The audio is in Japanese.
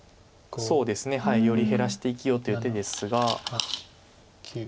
そうですね。より減らして生きようという手ですが。